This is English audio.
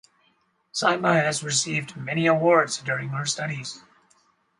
Saima has received many awards during her studies.